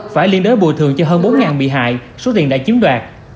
phải liên đối bồi thường cho hơn bốn bị hại số tiền đã chiếm đoạt